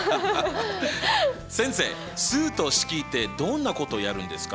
先生「数と式」ってどんなことやるんですか？